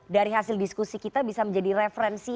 dari hasil diskusi kita bisa menjadi referensi